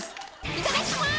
いただきます。